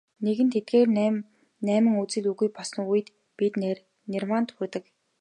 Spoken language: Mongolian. Нэгэнт эдгээр найман үзэл үгүй болсон үед бид нирваанд хүрдэг.